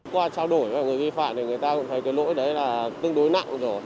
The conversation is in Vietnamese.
qua trao đổi với người vi phạm thì người ta cũng thấy cái lỗi đấy là tương đối nặng rồi